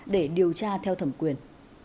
để điều tra theo thẩm quyền